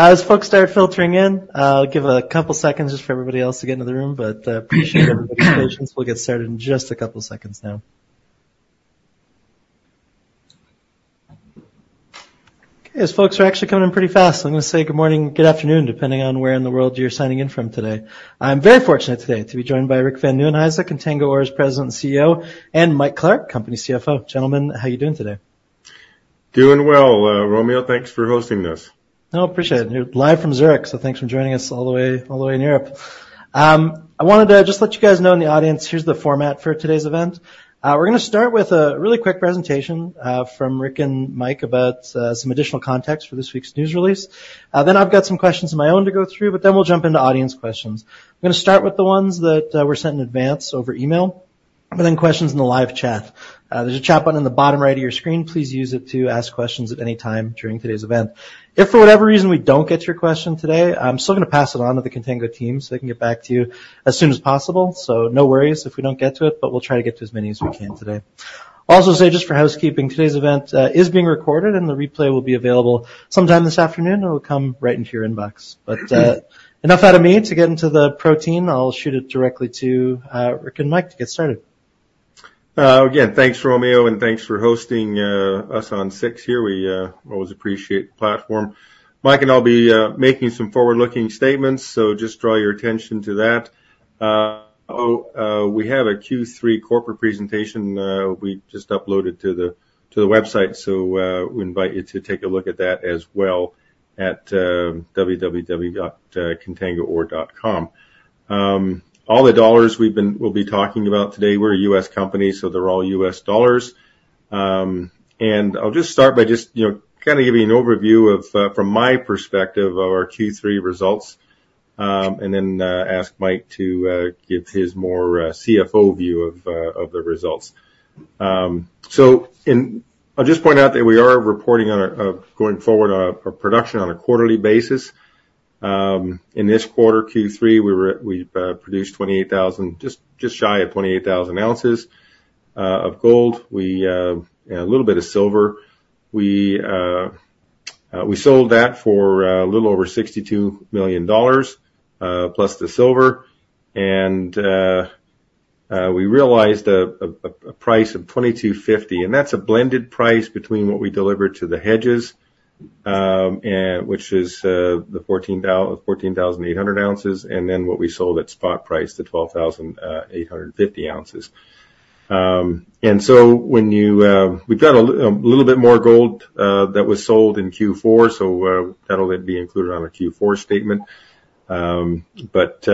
As folks start filtering in, I'll give a couple seconds just for everybody else to get into the room, but appreciate everybody's patience. We'll get started in just a couple seconds now. Okay, as folks are actually coming in pretty fast, I'm going to say good morning and good afternoon, depending on where in the world you're signing in from today. I'm very fortunate today to be joined by Rick Van Nieuwenhuyse, Contango Ore's President and CEO, and Mike Clark, Company CFO. Gentlemen, how are you doing today? Doing well, Romeo. Thanks for hosting this. No, appreciate it. You're live from Zurich, so thanks for joining us all the way in Europe. I wanted to just let you guys know in the audience, here's the format for today's event. We're going to start with a really quick presentation from Rick and Mike about some additional context for this week's news release. Then I've got some questions of my own to go through, but then we'll jump into audience questions. I'm going to start with the ones that were sent in advance over email, and then questions in the live chat. There's a chat button in the bottom right of your screen. Please use it to ask questions at any time during today's event. If for whatever reason we don't get to your question today, I'm still going to pass it on to the Contango team so they can get back to you as soon as possible. So no worries if we don't get to it, but we'll try to get to as many as we can today. I'll also say just for housekeeping, today's event is being recorded, and the replay will be available sometime this afternoon. It'll come right into your inbox. But enough out of me to get into the presentation. I'll shoot it directly to Rick and Mike to get started. Again, thanks, Romeo, and thanks for hosting us on 6ix here. We always appreciate the platform. Mike and I'll be making some forward-looking statements, so just draw your attention to that. We have a Q3 corporate presentation we just uploaded to the website, so we invite you to take a look at that as well at www.contangoore.com. All the dollars we'll be talking about today, we're a U.S. company, so they're all U.S. dollars, and I'll just start by just kind of giving you an overview from my perspective of our Q3 results, and then ask Mike to give his more CFO view of the results, so I'll just point out that we are reporting going forward on our production on a quarterly basis. In this quarter, Q3, we've produced 28,000, just shy of 28,000 ounces of gold and a little bit of silver. We sold that for a little over $62 million plus the silver, and we realized a price of $2,250. And that's a blended price between what we delivered to the hedges, which is the 14,800 ounces, and then what we sold at spot price, the 12,850 ounces. And so we've got a little bit more gold that was sold in Q4, so that'll be included on our Q4 statement. But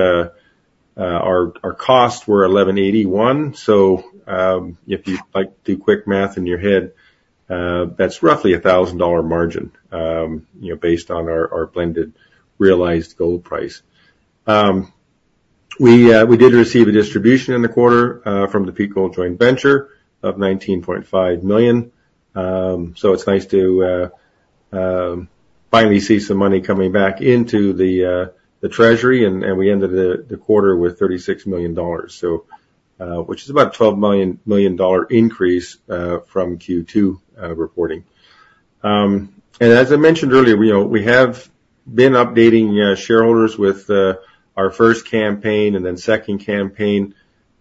our costs were $1,181, so if you'd like to do quick math in your head, that's roughly a $1,000 margin based on our blended realized gold price. We did receive a distribution in the quarter from the Peak Gold Joint Venture of $19.5 million, so it's nice to finally see some money coming back into the treasury, and we ended the quarter with $36 million, which is about a $12 million increase from Q2 reporting. And as I mentioned earlier, we have been updating shareholders with our first campaign and then second campaign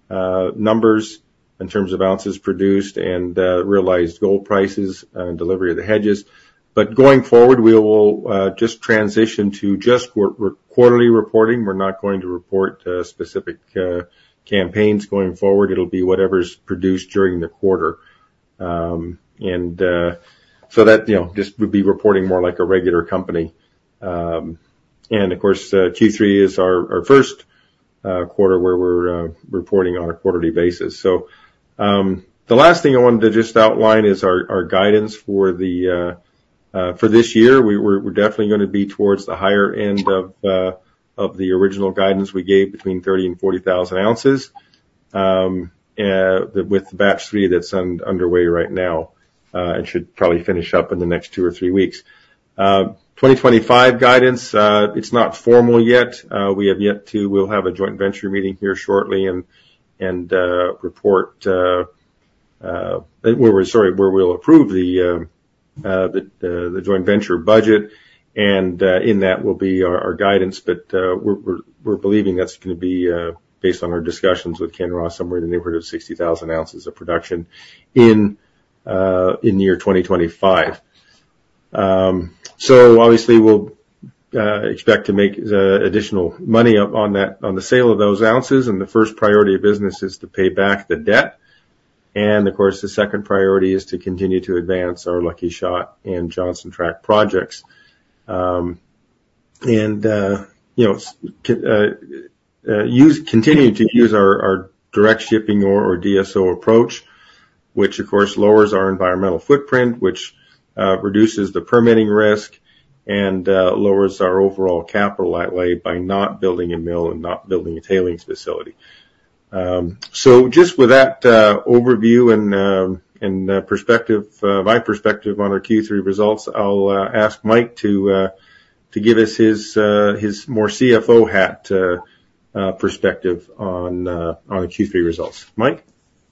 numbers in terms of ounces produced and realized gold prices and delivery of the hedges. But going forward, we will just transition to just quarterly reporting. We're not going to report specific campaigns going forward. It'll be whatever's produced during the quarter. And so that just would be reporting more like a regular company. And of course, Q3 is our first quarter where we're reporting on a quarterly basis. So the last thing I wanted to just outline is our guidance for this year. We're definitely going to be towards the higher end of the original guidance we gave between 30,000 and 40,000 ounces with batch three that's underway right now and should probably finish up in the next two or three weeks. 2025 guidance, it's not formal yet. We'll have a joint venture meeting here shortly, where we'll approve the joint venture budget, and in that will be our guidance, but we're believing that's going to be based on our discussions with Kinross somewhere in the neighborhood of 60,000 ounces of production in year 2025, so obviously, we'll expect to make additional money on the sale of those ounces, and the first priority of business is to pay back the debt, and of course, the second priority is to continue to advance our Lucky Shot and Johnson Tract projects and continue to use our direct shipping or DSO approach, which of course lowers our environmental footprint, which reduces the permitting risk and lowers our overall capital outlay by not building a mill and not building a tailings facility. So just with that overview and my perspective on our Q3 results, I'll ask Mike to give us his more CFO hat perspective on the Q3 results. Mike?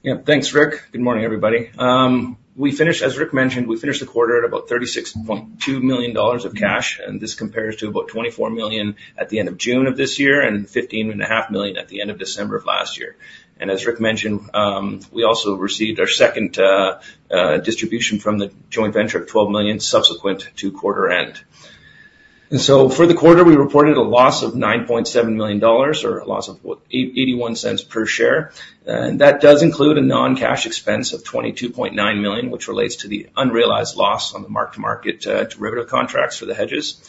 Yeah, thanks, Rick. Good morning, everybody. As Rick mentioned, we finished the quarter at about $36.2 million of cash, and this compares to about $24 million at the end of June of this year and $15.5 million at the end of December of last year, and as Rick mentioned, we also received our second distribution from the joint venture of $12 million subsequent to quarter end, and so for the quarter, we reported a loss of $9.7 million or a loss of $0.81 per share, and that does include a non-cash expense of $22.9 million, which relates to the unrealized loss on the mark-to-market derivative contracts for the hedges, and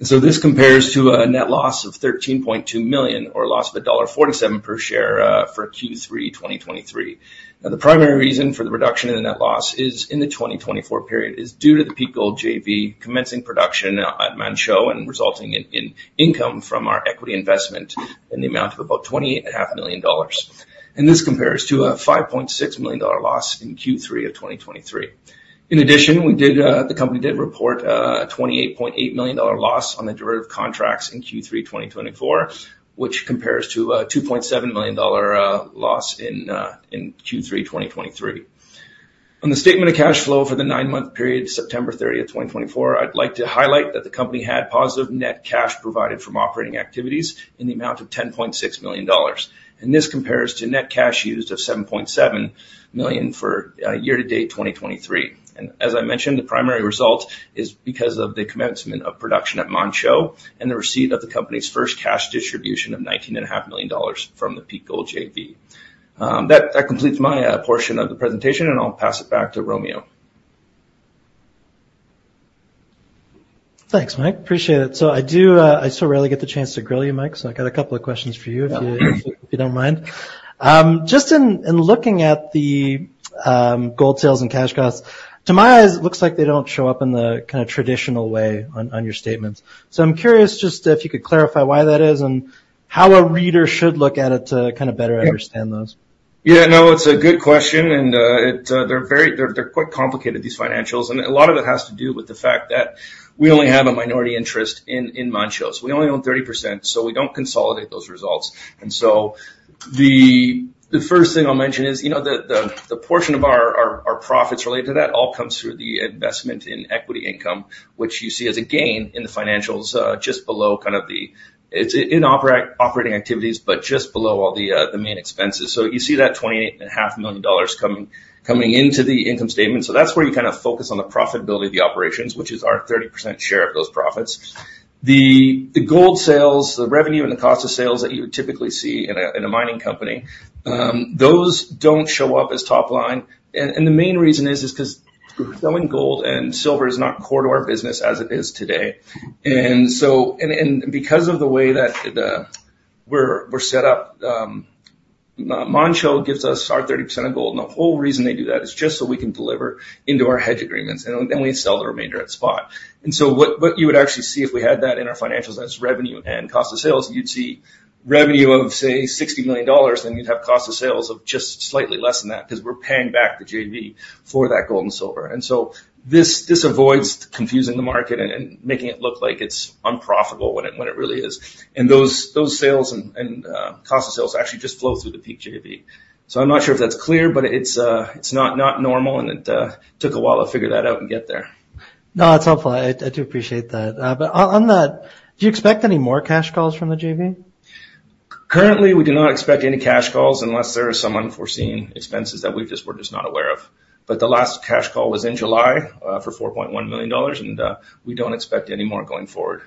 so this compares to a net loss of $13.2 million or a loss of $1.47 per share for Q3 2023. Now, the primary reason for the reduction in the net loss in the 2024 period is due to the Peak Gold JV commencing production at Manh Choh and resulting in income from our equity investment in the amount of about $28.5 million, and this compares to a $5.6 million loss in Q3 of 2023. In addition, the company did report a $28.8 million loss on the derivative contracts in Q3 2024, which compares to a $2.7 million loss in Q3 2023. On the statement of cash flow for the nine-month period, September 30th, 2024, I'd like to highlight that the company had positive net cash provided from operating activities in the amount of $10.6 million, and this compares to net cash used of $7.7 million for year-to-date 2023. As I mentioned, the primary result is because of the commencement of production at Manh Choh and the receipt of the company's first cash distribution of $19.5 million from the Peak Gold JV. That completes my portion of the presentation, and I'll pass it back to Romeo. Thanks, Mike. Appreciate it. So I still rarely get the chance to grill you, Mike, so I've got a couple of questions for you if you don't mind. Just in looking at the gold sales and cash costs, to my eyes, it looks like they don't show up in the kind of traditional way on your statements. So I'm curious just if you could clarify why that is and how a reader should look at it to kind of better understand those. Yeah, no, it's a good question, and they're quite complicated, these financials. And a lot of it has to do with the fact that we only have a minority interest in Manh Choh. So we only own 30%, so we don't consolidate those results. And so the first thing I'll mention is the portion of our profits related to that all comes through the investment in equity income, which you see as a gain in the financials just below kind of the, it's in operating activities, but just below all the main expenses. So you see that $28.5 million coming into the income statement. So that's where you kind of focus on the profitability of the operations, which is our 30% share of those profits. The gold sales, the revenue and the cost of sales that you would typically see in a mining company, those don't show up as top line. The main reason is because selling gold and silver is not core to our business as it is today. Because of the way that we're set up, Manh Choh gives us our 30% of gold, and the whole reason they do that is just so we can deliver into our hedge agreements, and then we sell the remainder at spot. So what you would actually see if we had that in our financials as revenue and cost of sales, you'd see revenue of, say, $60 million, then you'd have cost of sales of just slightly less than that because we're paying back the JV for that gold and silver. This avoids confusing the market and making it look like it's unprofitable when it really is. Those sales and cost of sales actually just flow through the Peak JV. I'm not sure if that's clear, but it's not normal, and it took a while to figure that out and get there. No, that's helpful. I do appreciate that, but on that, do you expect any more cash calls from the JV? Currently, we do not expect any cash calls unless there are some unforeseen expenses that we're just not aware of. But the last cash call was in July for $4.1 million, and we don't expect any more going forward.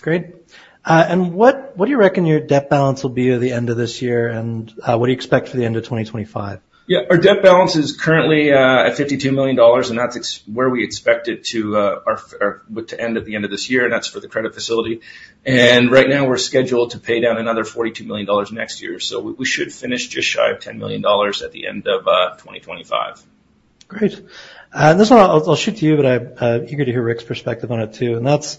Great. And what do you reckon your debt balance will be at the end of this year, and what do you expect for the end of 2025? Yeah, our debt balance is currently at $52 million, and that's where we expect it to end at the end of this year, and that's for the credit facility, and right now, we're scheduled to pay down another $42 million next year, so we should finish just shy of $10 million at the end of 2025. Great. I'll shoot to you, but I'm eager to hear Rick's perspective on it too. And that's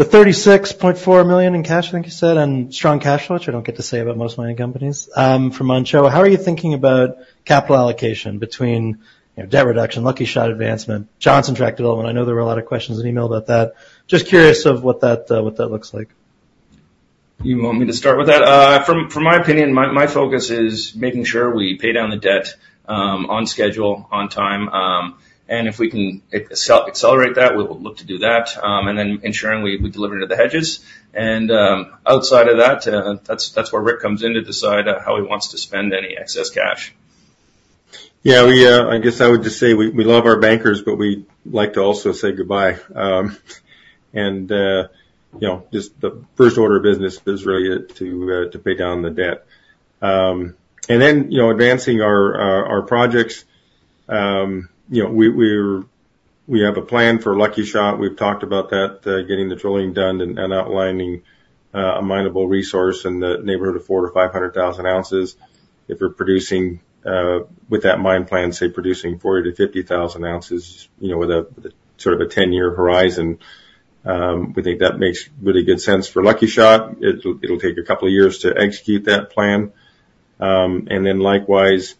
the $36.4 million in cash, I think you said, and strong cash flow, which I don't get to say about most mining companies for Manh Choh. How are you thinking about capital allocation between debt reduction, Lucky Shot advancement, Johnson Tract development? I know there were a lot of questions in email about that. Just curious of what that looks like. You want me to start with that? In my opinion, my focus is making sure we pay down the debt on schedule, on time, and if we can accelerate that, we will look to do that, and then ensuring we deliver to the hedges, and outside of that, that's where Rick comes in to decide how he wants to spend any excess cash. Yeah, I guess I would just say we love our bankers, but we like to also say goodbye. The first order of business is really to pay down the debt. Then advancing our projects, we have a plan for Lucky Shot. We've talked about that, getting the drilling done and outlining a minable resource in the neighborhood of 400,000-500,000 ounces. If we're producing with that mine plan, say, producing 40,000-50,000 ounces with a sort of a 10-year horizon, we think that makes really good sense for Lucky Shot. It'll take a couple of years to execute that plan. And then likewise,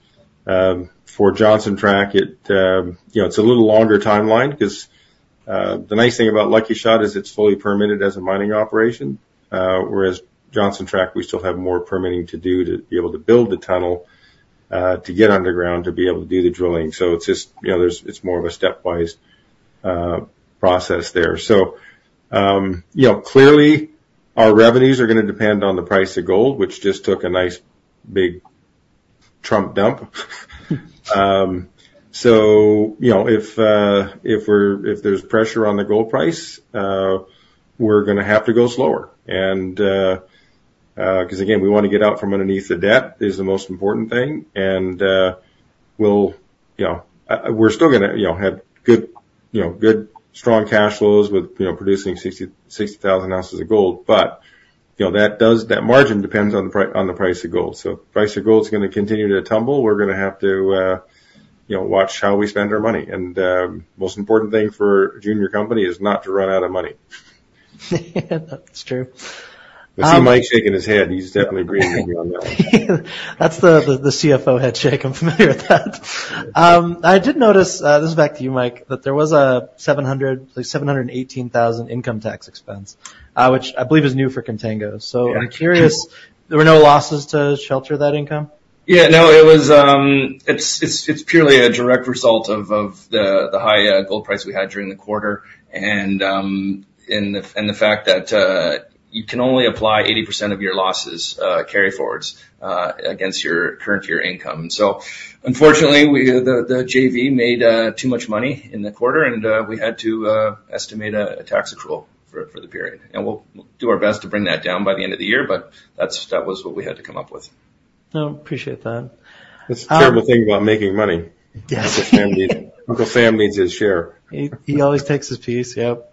for Johnson Tract, it's a little longer timeline because the nice thing about Lucky Shot is it's fully permitted as a mining operation, whereas Johnson Tract, we still have more permitting to do to be able to build the tunnel to get underground to be able to do the drilling. So it's just more of a stepwise process there. So clearly, our revenues are going to depend on the price of gold, which just took a nice big Trump dump. So if there's pressure on the gold price, we're going to have to go slower. And because, again, we want to get out from underneath the debt is the most important thing. And we're still going to have good, strong cash flows with producing 60,000 ounces of gold, but that margin depends on the price of gold. The price of gold is going to continue to tumble. We're going to have to watch how we spend our money. The most important thing for a junior company is not to run out of money. That's true. I see Mike shaking his head. He's definitely agreeing with me on that. That's the CFO head shake. I'm familiar with that. I did notice, this is back to you, Mike, that there was a $718,000 income tax expense, which I believe is new for Contango. So I'm curious, there were no losses to shelter that income? Yeah, no, it's purely a direct result of the high gold price we had during the quarter and the fact that you can only apply 80% of your losses carry forwards against your current year income. So unfortunately, the JV made too much money in the quarter, and we had to estimate a tax accrual for the period. And we'll do our best to bring that down by the end of the year, but that was what we had to come up with. I appreciate that. It's a terrible thing about making money. Uncle Sam needs his share. He always takes his piece, yep.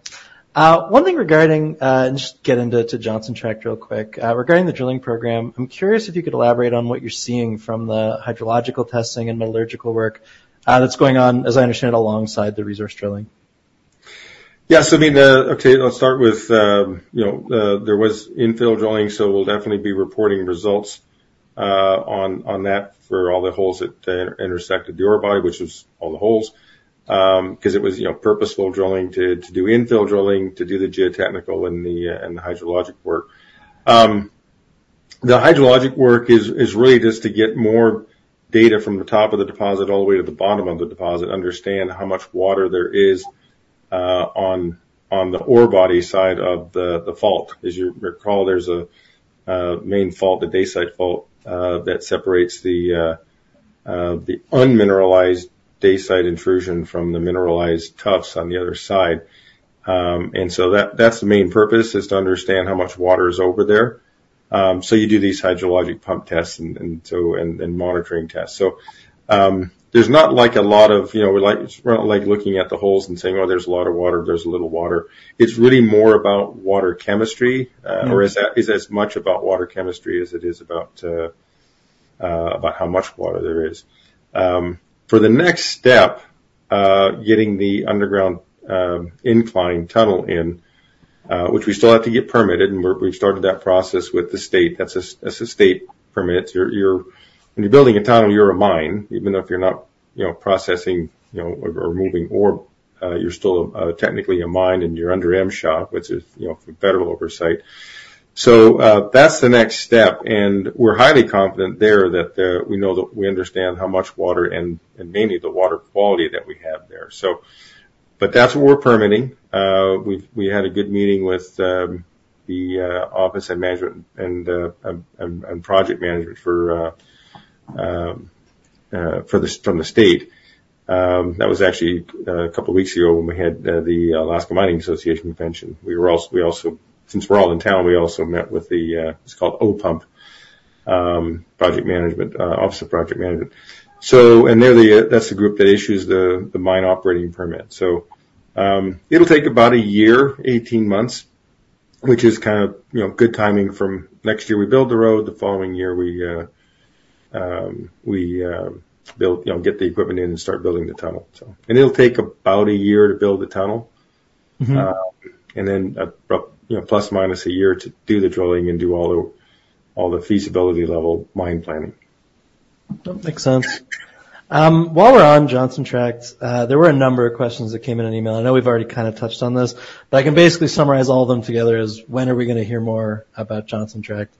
One thing regarding, and just get into Johnson Tract real quick, regarding the drilling program, I'm curious if you could elaborate on what you're seeing from the hydrological testing and metallurgical work that's going on, as I understand it, alongside the resource drilling. Yeah, so I mean, okay, let's start with there was infill drilling, so we'll definitely be reporting results on that for all the holes that intersected the ore body, which was all the holes, because it was purposeful drilling to do infill drilling to do the geotechnical and the hydrologic work. The hydrologic work is really just to get more data from the top of the deposit all the way to the bottom of the deposit, understand how much water there is on the ore body side of the fault. As you recall, there's a main fault, the Dacite Fault, that separates the unmineralized dacite intrusion from the mineralized tuffs on the other side, and so that's the main purpose is to understand how much water is over there, so you do these hydrologic pump tests and monitoring tests. So we're not like looking at the holes and saying, "Oh, there's a lot of water, there's a little water." It's really more about water chemistry, or it's as much about water chemistry as it is about how much water there is. For the next step, getting the underground incline tunnel in, which we still have to get permitted, and we've started that process with the state. That's a state permit. When you're building a tunnel, you're a mine, even though if you're not processing or moving ore, you're still technically a mine and you're under MSHA, which is federal oversight. So that's the next step. And we're highly confident there that we know that we understand how much water and mainly the water quality that we have there. But that's what we're permitting. We had a good meeting with the office and management and project management from the state. That was actually a couple of weeks ago when we had the Alaska Mining Association convention. Since we're all in town, we also met with the; it's called OPMP, Office of Project Management. And that's the group that issues the mine operating permit. So it'll take about a year, 18 months, which is kind of good timing from next year we build the road, the following year we get the equipment in and start building the tunnel. And it'll take about a year to build the tunnel and then plus minus a year to do the drilling and do all the feasibility level mine planning. That makes sense. While we're on Johnson Tract, there were a number of questions that came in an email. I know we've already kind of touched on this, but I can basically summarize all of them together as when are we going to hear more about Johnson Tract?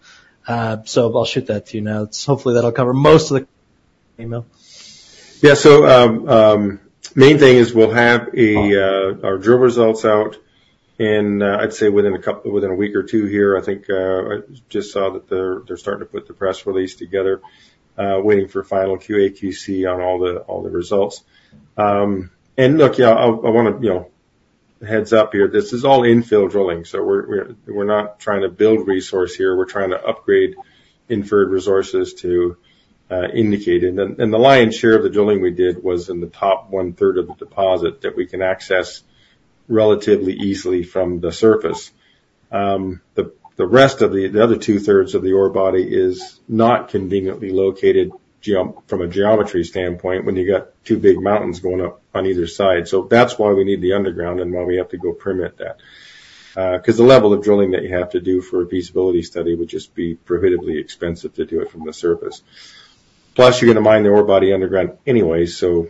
So I'll shoot that to you now. Hopefully, that'll cover most of the email. Yeah, so the main thing is we'll have our drill results out in, I'd say, within a week or two here. I think I just saw that they're starting to put the press release together, waiting for final QA/QC on all the results, and look, I want to give you a heads up here. This is all infill drilling, so we're not trying to build resource here. We're trying to upgrade inferred resources to indicated. And the lion's share of the drilling we did was in the top one-third of the deposit that we can access relatively easily from the surface. The rest of the other two-thirds of the ore body is not conveniently located from a geometry standpoint when you've got two big mountains going up on either side, so that's why we need the underground and why we have to go permit that. Because the level of drilling that you have to do for a feasibility study would just be prohibitively expensive to do it from the surface. Plus, you're going to mine the ore body underground anyway, so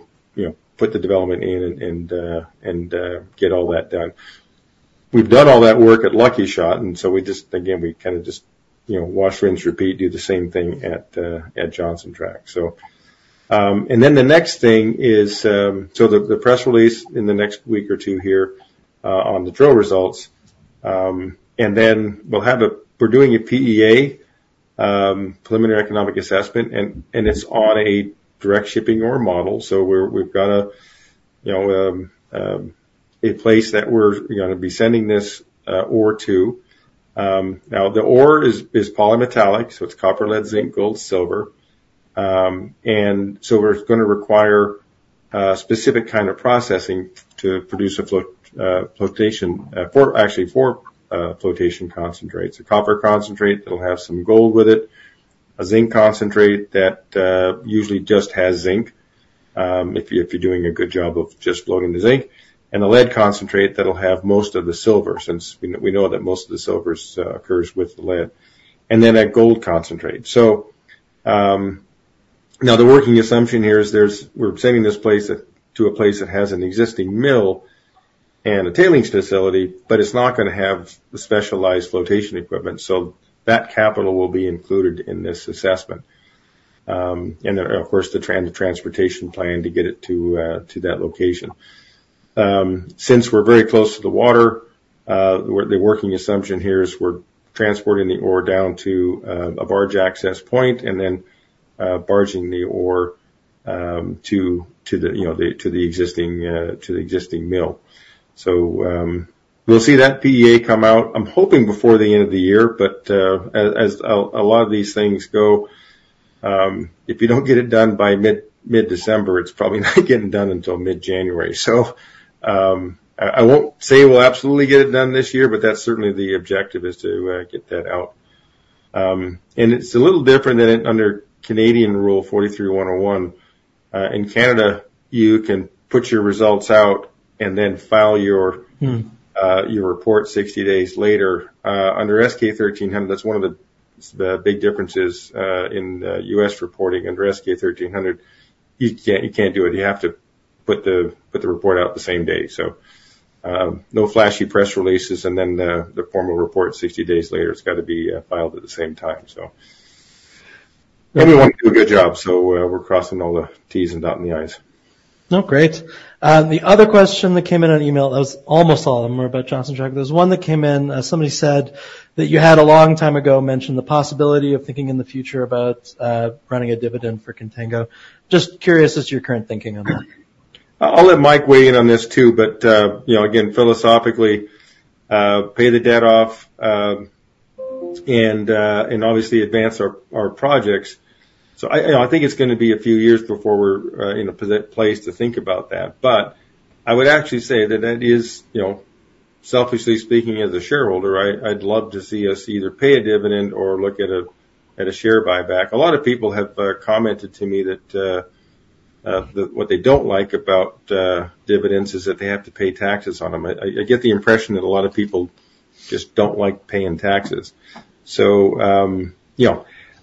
put the development in and get all that done. We've done all that work at Lucky Shot, and so we just, again, we kind of just wash, rinse, repeat, do the same thing at Johnson Tract. The next thing is the press release in the next week or two here on the drill results. We're doing a PEA, preliminary economic assessment, and it's on a direct shipping ore model. So we've got a place that we're going to be sending this ore to. Now, the ore is polymetallic, so it's copper, lead, zinc, gold, silver. And so we're going to require a specific kind of processing to produce a flotation, actually four flotation concentrates. A copper concentrate that'll have some gold with it, a zinc concentrate that usually just has zinc if you're doing a good job of just floating the zinc, and a lead concentrate that'll have most of the silver since we know that most of the silver occurs with the lead, and then a gold concentrate. So now the working assumption here is we're sending this place to a place that has an existing mill and a tailings facility, but it's not going to have the specialized flotation equipment. So that capital will be included in this assessment. And then, of course, the transportation plan to get it to that location. Since we're very close to the water, the working assumption here is we're transporting the ore down to a barge access point and then barging the ore to the existing mill. So we'll see that PEA come out, I'm hoping before the end of the year, but as a lot of these things go, if you don't get it done by mid-December, it's probably not getting done until mid-January. So I won't say we'll absolutely get it done this year, but that's certainly the objective is to get that out. And it's a little different than under Canadian Rule NI 43-101. In Canada, you can put your results out and then file your report 60 days later. Under S-K 1300, that's one of the big differences in U.S. reporting. Under S-K 1300, you can't do it. You have to put the report out the same day. So no flashy press releases and then the formal report 60 days later. It's got to be filed at the same time. So everyone can do a good job, so we're crossing all the t's and dotting the i's. Oh, great. The other question that came in on email, that was almost all of them were about Johnson Tract. There was one that came in. Somebody said that you had a long time ago mentioned the possibility of thinking in the future about running a dividend for Contango. Just curious as to your current thinking on that. I'll let Mike weigh in on this too, but again, philosophically, pay the debt off and obviously advance our projects. So I think it's going to be a few years before we're in a place to think about that. But I would actually say that that is, selfishly speaking, as a shareholder, I'd love to see us either pay a dividend or look at a share buyback. A lot of people have commented to me that what they don't like about dividends is that they have to pay taxes on them. I get the impression that a lot of people just don't like paying taxes.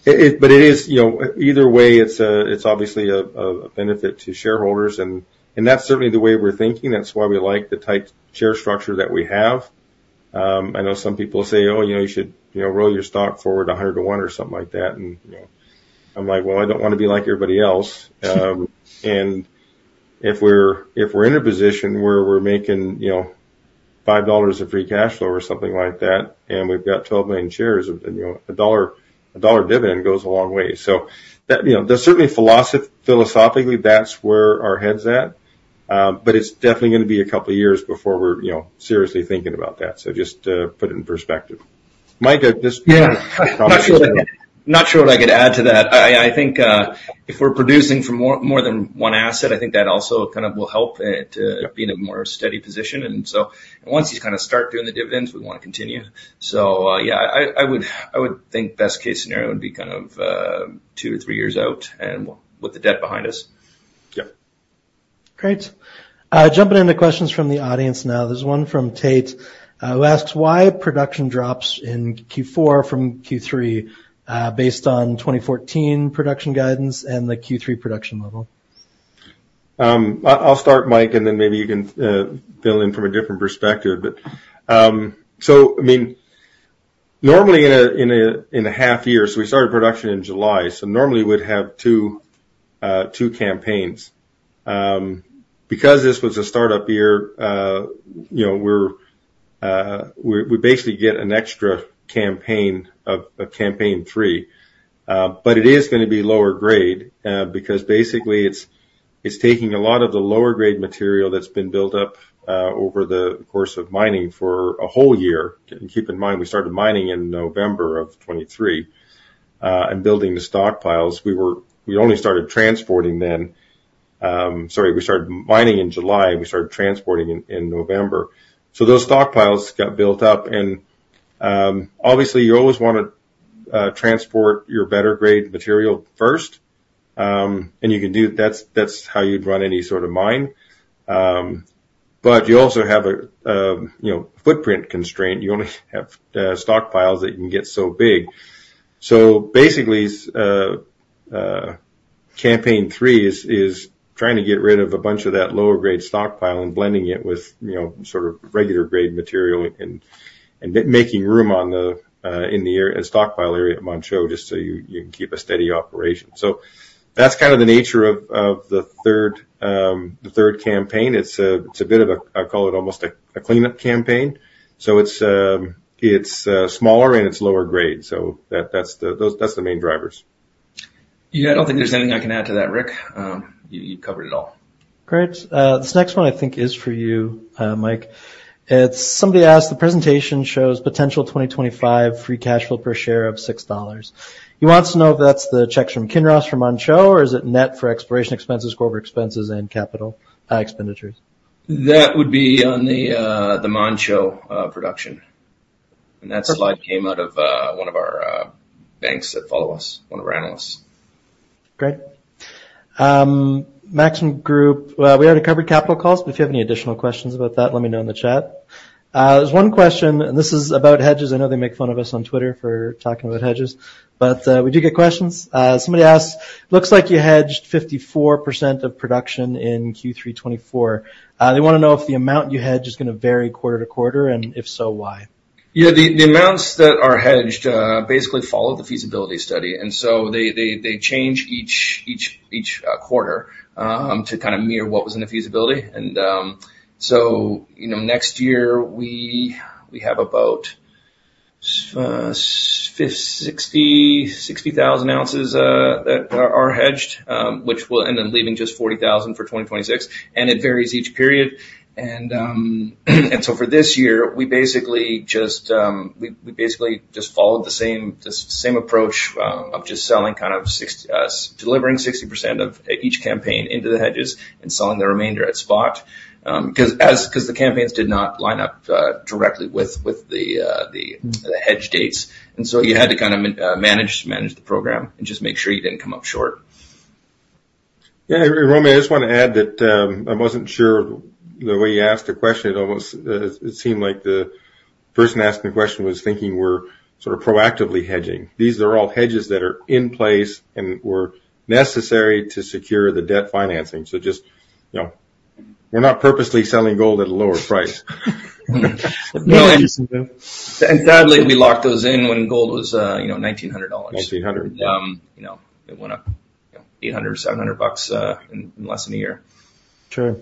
But it is either way, it's obviously a benefit to shareholders, and that's certainly the way we're thinking. That's why we like the tight share structure that we have. I know some people say, "Oh, you should roll your stock forward 100 to 1 or something like that." And I'm like, "Well, I don't want to be like everybody else." And if we're in a position where we're making $5 of free cash flow or something like that, and we've got 12 million shares, a $1 dividend goes a long way. So certainly, philosophically, that's where our head's at, but it's definitely going to be a couple of years before we're seriously thinking about that. So just to put it in perspective. Mike, I just. Yeah, not sure what I could add to that. I think if we're producing for more than one asset, I think that also kind of will help it be in a more steady position. And so once you kind of start doing the dividends, we want to continue. So yeah, I would think best case scenario would be kind of two or three years out and with the debt behind us. Yeah. Great. Jumping into questions from the audience now. There's one from Tate who asks, "Why production drops in Q4 from Q3 based on 2014 production guidance and the Q3 production level? I'll start, Mike, and then maybe you can fill in from a different perspective. So I mean, normally in a half year, so we started production in July. So normally we'd have two campaigns. Because this was a startup year, we basically get an extra campaign of campaign three. But it is going to be lower grade because basically it's taking a lot of the lower grade material that's been built up over the course of mining for a whole year. And keep in mind, we started mining in November of 2023 and building the stockpiles. We only started transporting then. Sorry, we started mining in July. We started transporting in November. So those stockpiles got built up. And obviously, you always want to transport your better grade material first. And you can do that. That's how you'd run any sort of mine. But you also have a footprint constraint. You only have stockpiles that you can get so big. So basically, campaign three is trying to get rid of a bunch of that lower grade stockpile and blending it with sort of regular grade material and making room in the stockpile area at Manh Choh just so you can keep a steady operation. So that's kind of the nature of the third campaign. It's a bit of a, I call it almost a cleanup campaign. So it's smaller and it's lower grade. So that's the main drivers. Yeah, I don't think there's anything I can add to that, Rick. You covered it all. Great. This next one I think is for you, Mike. Somebody asked, "The presentation shows potential 2025 free cash flow per share of $6." He wants to know if that's the checks from Kinross from Manh Choh, or is it net for exploration expenses, corporate expenses, and capital expenditures? That would be on the Manh Choh production. And that slide came out of one of our banks that follow us, one of our analysts. Great. Maxim Group, we already covered capital calls, but if you have any additional questions about that, let me know in the chat. There's one question, and this is about hedges. I know they make fun of us on Twitter for talking about hedges, but we do get questions. Somebody asked, "Looks like you hedged 54% of production in Q3 2024." They want to know if the amount you hedge is going to vary quarter to quarter, and if so, why? Yeah, the amounts that are hedged basically follow the feasibility study. And so they change each quarter to kind of mirror what was in the feasibility. And so next year, we have about 60,000 ounces that are hedged, which will end up leaving just 40,000 for 2026. And it varies each period. And so for this year, we basically just followed the same approach of just delivering 60% of each campaign into the hedges and selling the remainder at spot because the campaigns did not line up directly with the hedge dates. And so you had to kind of manage the program and just make sure you didn't come up short. Yeah, Romy, I just want to add that I wasn't sure the way you asked the question. It seemed like the person asking the question was thinking we're sort of proactively hedging. These are all hedges that are in place and were necessary to secure the debt financing. So just, we're not purposely selling gold at a lower price. Sadly, we locked those in when gold was $1,900. $1,800. It went up $800, $700 in less than a year. True.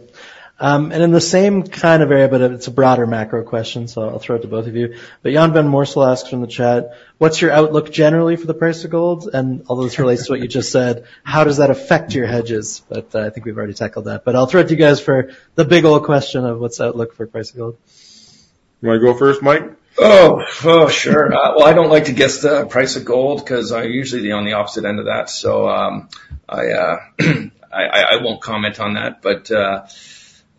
And in the same kind of area, but it's a broader macro question, so I'll throw it to both of you. But Jan van Moors will ask from the chat, "What's your outlook generally for the price of gold?" And although this relates to what you just said, "How does that affect your hedges?" But I think we've already tackled that. But I'll throw it to you guys for the big old question of what's the outlook for the price of gold. Do you want to go first, Mike? Oh, sure. Well, I don't like to guess the price of gold because I'm usually on the opposite end of that. So I won't comment on that. But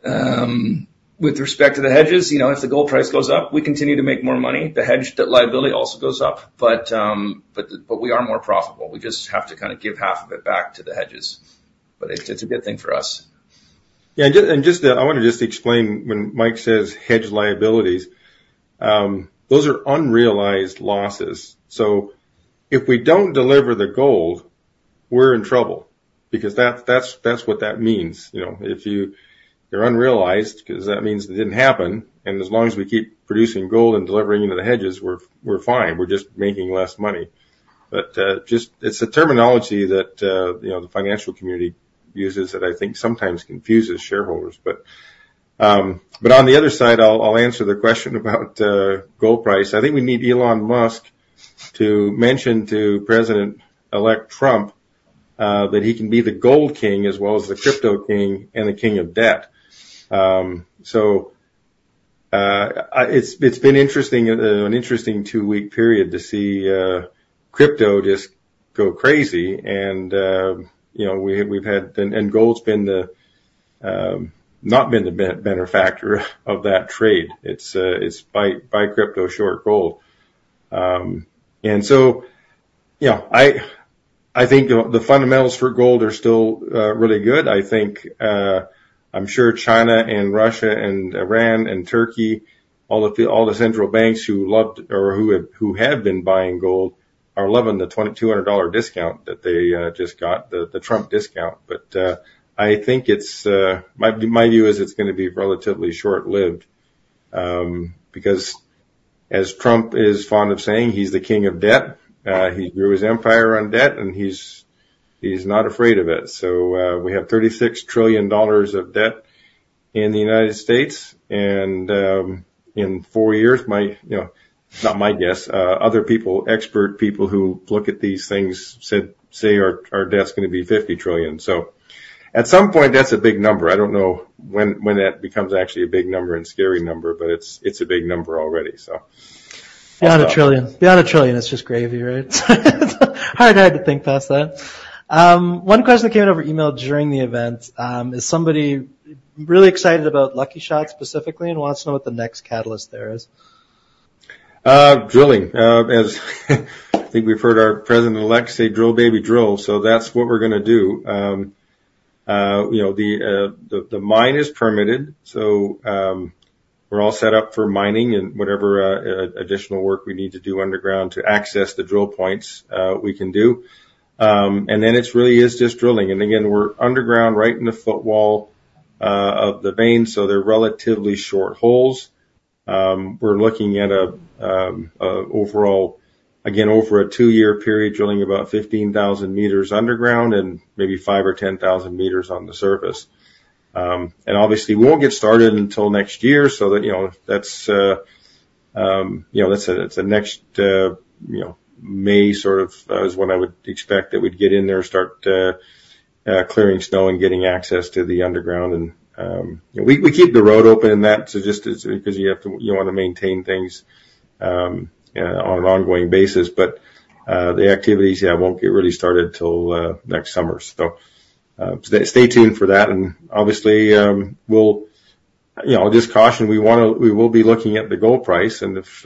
with respect to the hedges, if the gold price goes up, we continue to make more money. The hedged liability also goes up, but we are more profitable. We just have to kind of give half of it back to the hedges. But it's a good thing for us. Yeah. And I want to just explain when Mike says hedged liabilities, those are unrealized losses. So if we don't deliver the gold, we're in trouble because that's what that means. If you're unrealized, because that means it didn't happen, and as long as we keep producing gold and delivering into the hedges, we're fine. We're just making less money. But it's a terminology that the financial community uses that I think sometimes confuses shareholders. But on the other side, I'll answer the question about gold price. I think we need Elon Musk to mention to President-elect Trump that he can be the gold king as well as the crypto king and the king of debt. So it's been an interesting two-week period to see crypto just go crazy. And gold's not been the benefactor of that trade. It's buy crypto, short gold. And so I think the fundamentals for gold are still really good. I think I'm sure China and Russia and Iran and Turkey, all the central banks who have been buying gold, are loving the $200 discount that they just got, the Trump discount. But I think my view is it's going to be relatively short-lived because as Trump is fond of saying, he's the king of debt. He grew his empire on debt, and he's not afraid of it. So we have $36 trillion of debt in the United States. And in four years, not my guess, other people, expert people who look at these things say our debt's going to be $50 trillion. So at some point, that's a big number. I don't know when that becomes actually a big number and scary number, but it's a big number already, so. Beyond a trillion. Beyond a trillion is just gravy, right? Hard to think past that. One question that came in over email during the event is somebody really excited about Lucky Shot specifically and wants to know what the next catalyst there is. Drilling. I think we've heard our President-elect say, "Drill, baby, drill." So that's what we're going to do. The mine is permitted, so we're all set up for mining and whatever additional work we need to do underground to access the drill points we can do. And then it really is just drilling. And again, we're underground right in the footwall of the vein, so they're relatively short holes. We're looking at, again, over a two-year period, drilling about 15,000 meters underground and maybe 5 or 10,000 meters on the surface. And obviously, we won't get started until next year. So that's a next May sort of is when I would expect that we'd get in there and start clearing snow and getting access to the underground. And we keep the road open in that because you want to maintain things on an ongoing basis. But the activities, yeah, won't get really started until next summer. So stay tuned for that. And obviously, I'll just caution, we will be looking at the gold price. And if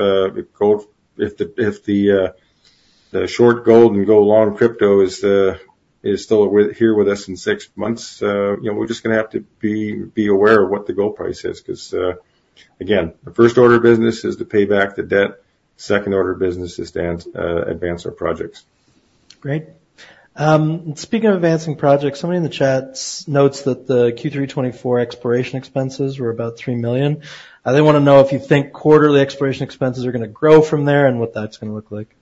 the short gold and go long crypto is still here with us in six months, we're just going to have to be aware of what the gold price is because, again, the first order of business is to pay back the debt. Second order of business is to advance our projects. Great. Speaking of advancing projects, somebody in the chat notes that the Q3 '24 exploration expenses were about $3 million. They want to know if you think quarterly exploration expenses are going to grow from there and what that's going to look like.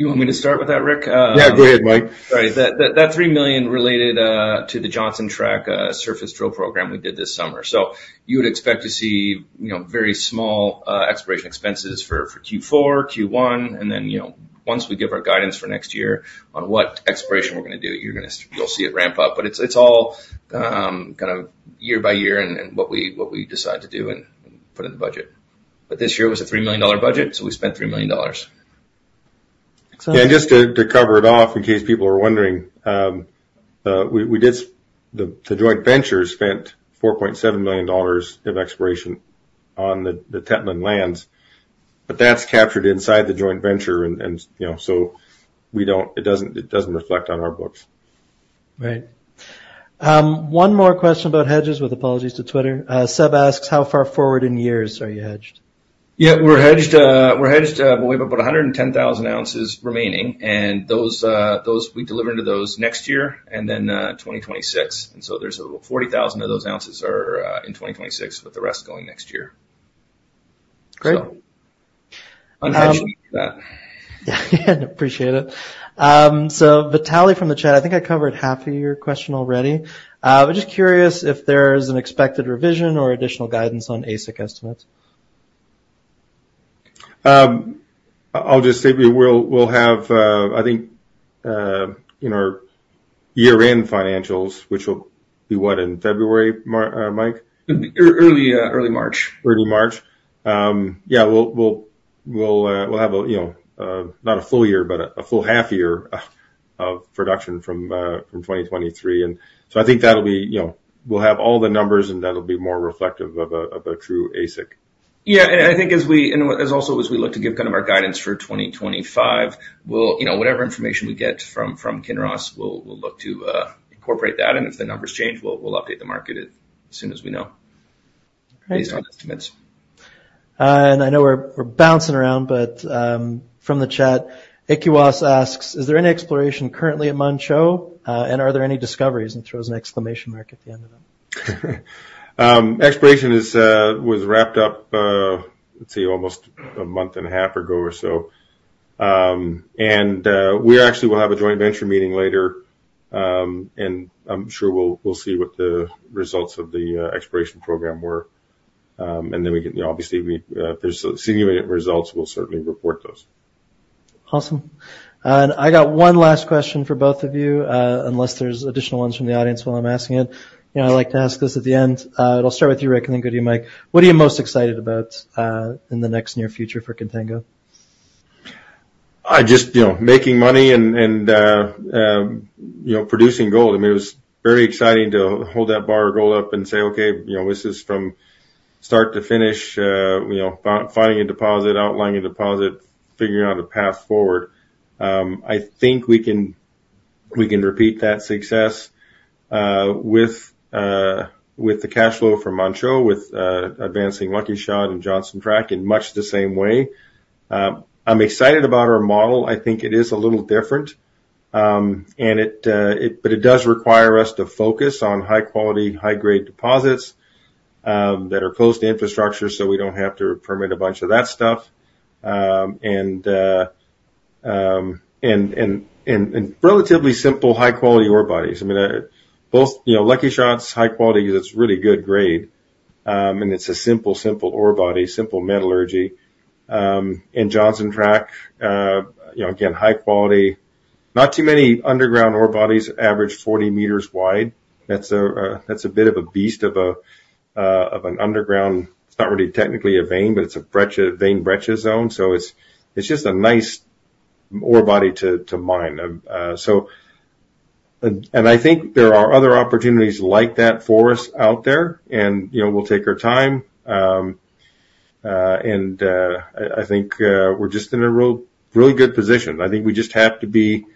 You want me to start with that, Rick? Yeah, go ahead, Mike. Right. That $3 million related to the Johnson Tract surface drill program we did this summer. So you would expect to see very small exploration expenses for Q4, Q1, and then once we give our guidance for next year on what exploration we're going to do, you'll see it ramp up. But it's all kind of year by year and what we decide to do and put in the budget. But this year, it was a $3 million budget, so we spent $3 million. Just to cover it off in case people are wondering, the joint venture spent $4.7 million of exploration on the Tetlin lands. That's captured inside the joint venture, and so it doesn't reflect on our books. Right. One more question about hedges with apologies to Twitter. Seb asks, "How far forward in years are you hedged? Yeah, we're hedged with about 110,000 ounces remaining, and we deliver into those next year and then 2026, and so there's 40,000 of those ounces in 2026 with the rest going next year. Great. I'm happy with that. Yeah, I appreciate it. So Vitaly from the chat, "I think I covered half of your question already." I'm just curious if there's an expected revision or additional guidance on AISC estimates. I'll just say we'll have, I think, year-end financials, which will be what, in February, Mike? Early March. Early March. Yeah, we'll have not a full year, but a full half year of production from 2023. And so, I think that'll be. We'll have all the numbers, and that'll be more reflective of a true AISC. Yeah. And I think as we also look to give kind of our guidance for 2025, whatever information we get from Kinross, we'll look to incorporate that. And if the numbers change, we'll update the market as soon as we know based on estimates. I know we're bouncing around, but from the chat, Ikiwas asks, "Is there any exploration currently at Manh Choh? And are there any discoveries?" and throws an exclamation mark at the end of it. Exploration was wrapped up, let's see, almost a month and a half ago or so. And we actually will have a joint venture meeting later, and I'm sure we'll see what the results of the exploration program were. And then obviously, if there's significant results, we'll certainly report those. Awesome. And I got one last question for both of you, unless there's additional ones from the audience while I'm asking it. I like to ask this at the end. It'll start with you, Rick, and then go to you, Mike. What are you most excited about in the next near future for Contango? Just making money and producing gold. I mean, it was very exciting to hold that bar of gold up and say, "Okay, this is from start to finish, finding a deposit, outlining a deposit, figuring out a path forward." I think we can repeat that success with the cash flow from Manh Choh, with advancing Lucky Shot and Johnson Tract in much the same way. I'm excited about our model. I think it is a little different, but it does require us to focus on high-quality, high-grade deposits that are close to infrastructure, so we don't have to permit a bunch of that stuff and relatively simple high-quality ore bodies. I mean, both Lucky Shot's high-quality because it's really good grade, and it's a simple, simple ore body, simple metallurgy. And Johnson Tract, again, high-quality, not too many underground ore bodies, average 40 meters wide. That's a bit of a beast of an underground. It's not really technically a vein, but it's a vein-brecciated zone, so it's just a nice ore body to mine, and I think there are other opportunities like that for us out there, and we'll take our time, and I think we're just in a really good position. I think we just have to be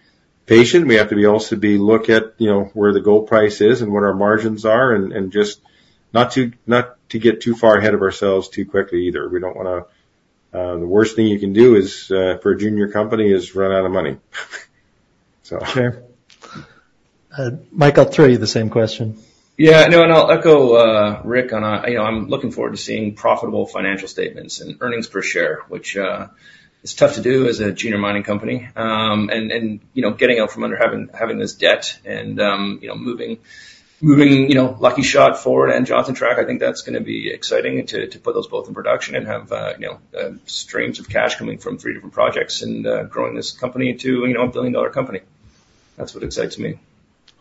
patient. We have to also look at where the gold price is and what our margins are and just not to get too far ahead of ourselves too quickly either. We don't want the worst thing you can do for a junior company is run out of money. Sure. Mike, I'll throw you the same question. Yeah. No, and I'll echo Rick on that. I'm looking forward to seeing profitable financial statements and earnings per share, which is tough to do as a junior mining company. And getting out from under having this debt and moving Lucky Shot forward and Johnson Tract, I think that's going to be exciting to put those both in production and have streams of cash coming from three different projects and growing this company into a billion-dollar company. That's what excites me.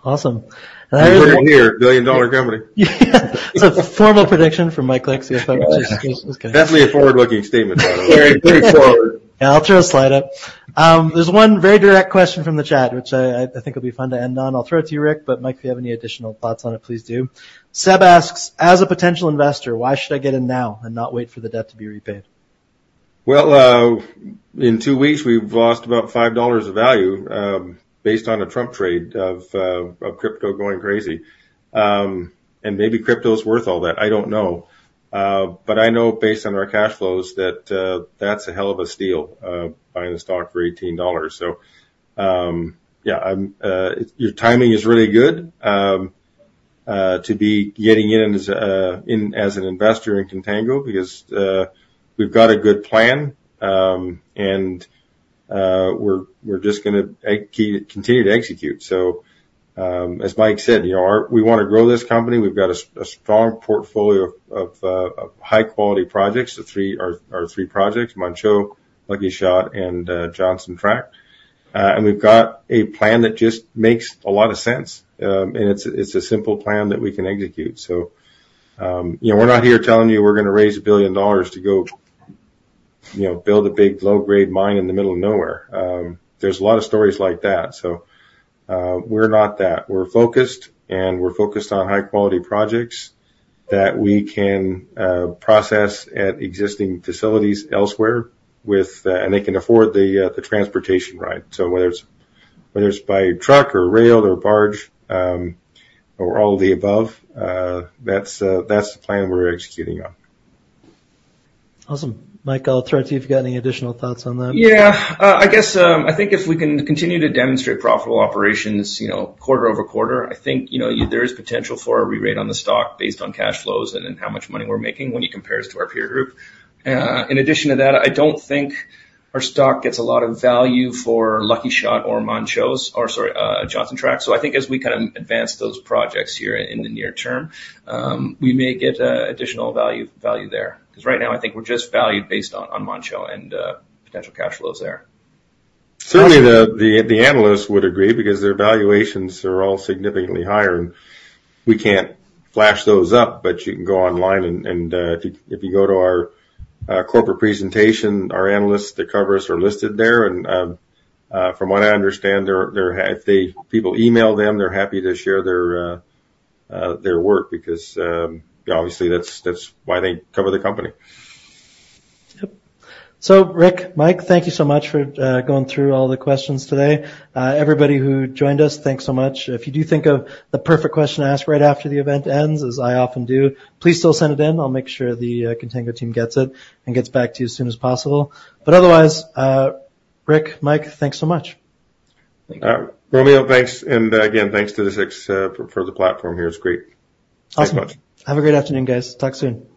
Awesome. We're here, billion-dollar company. Yeah. It's a formal prediction for Mike Clark as well. Definitely a forward-looking statement. Very forward. Yeah, I'll throw a slide up. There's one very direct question from the chat, which I think will be fun to end on. I'll throw it to you, Rick, but Mike, if you have any additional thoughts on it, please do. Seb asks, "As a potential investor, why should I get in now and not wait for the debt to be repaid? Well, in two weeks, we've lost about $5 of value based on a Trump trade of crypto going crazy, and maybe crypto is worth all that. I don't know, but I know based on our cash flows that that's a hell of a steal buying the stock for $18, so yeah, your timing is really good to be getting in as an investor in Contango because we've got a good plan, and we're just going to continue to execute, so as Mike said, we want to grow this company. We've got a strong portfolio of high-quality projects, our three projects, Manh Choh, Lucky Shot, and Johnson Tract, and we've got a plan that just makes a lot of sense, and it's a simple plan that we can execute. So we're not here telling you we're going to raise $1 billion to go build a big low-grade mine in the middle of nowhere. There's a lot of stories like that. So we're not that. We're focused, and we're focused on high-quality projects that we can process at existing facilities elsewhere, and they can afford the transportation ride. So, whether it's by truck or rail or barge or all of the above, that's the plan we're executing on. Awesome. Mike, I'll throw it to you if you've got any additional thoughts on that. Yeah. I guess I think if we can continue to demonstrate profitable operations quarter over quarter, I think there is potential for a re-rate on the stock based on cash flows and how much money we're making when you compare it to our peer group. In addition to that, I don't think our stock gets a lot of value for Lucky Shot or Manh Choh or, sorry, Johnson Tract. So, I think as we kind of advance those projects here in the near term, we may get additional value there because right now, I think we're just valued based on Manh Choh and potential cash flows there. Certainly, the analysts would agree because their valuations are all significantly higher, and we can't flash those up, but you can go online, and if you go to our corporate presentation, our analysts that cover us are listed there, and from what I understand, if people email them, they're happy to share their work because obviously, that's why they cover the company. Yep. So Rick, Mike, thank you so much for going through all the questions today. Everybody who joined us, thanks so much. If you do think of the perfect question to ask right after the event ends, as I often do, please still send it in. I'll make sure the Contango team gets it and gets back to you as soon as possible. But otherwise, Rick, Mike, thanks so much. All right. Romeo, thanks. And again, thanks to the 6ix for the platform here. It's great. Awesome. Have a great afternoon, guys. Talk soon.